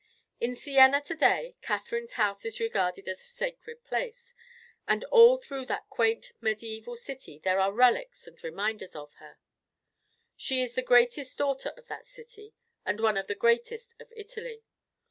In Siena to day Catherine's house is regarded as a sacred place, and all through that quaint medieval city there are relics and reminders of her. She is the greatest daughter of that city, and one of the greatest of Italy.